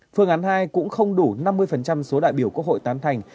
phương án hai cũng không đủ năm mươi số đại biểu quốc hội tán thành